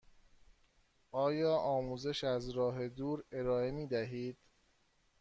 آیا آموزش از راه دور ارائه می دهید؟